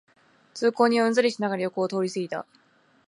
通行人はうんざりしながら横を通りすぎた